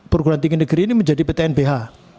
perguruan tinggi negeri ini menjadi ptnbh